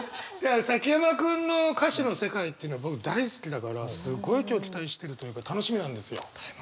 崎山君の歌詞の世界っていうの僕大好きだからすごい今日期待してるというか楽しみなんですよ。